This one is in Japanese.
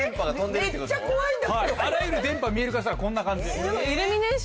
あらゆる電波を見える化したらこんな感じです。